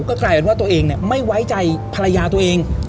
ก็กลายเป็นว่าตัวเองไม่ไว้ใจภรรยาตัวเอง